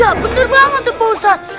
ya bener banget tuh pusat